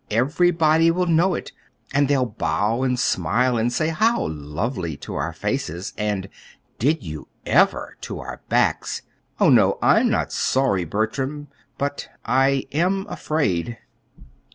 Everybody will know it. And they'll bow and smile and say 'How lovely!' to our faces, and 'Did you ever?' to our backs. Oh, no, I'm not sorry, Bertram; but I am afraid."